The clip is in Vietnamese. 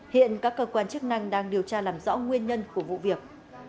hiện các cơ quan chức năng đang điều tra làm rõ nguyên nhân của vụ việc